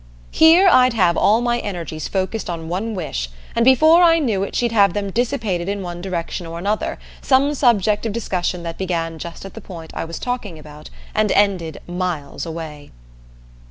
Here I'd have all my energies focused on one wish, and before I knew it she'd have them dissipated in one direction or another, some subject of discussion that began just at the point I was talking about and ended miles away.